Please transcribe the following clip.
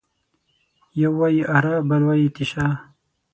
يو وايي اره ، بل وايي تېشه.